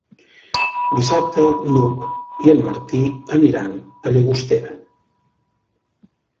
Dissabte n'Hug i en Martí aniran a Llagostera.